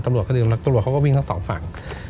ตำรวจเขาดึงแล้วตำรวจเขาก็วิ่งทั้งสองฝั่ง